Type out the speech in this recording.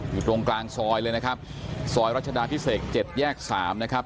อยู่ตรงกลางซอยเลยนะครับซอยรัชดาพิเศษ๗แยก๓นะครับ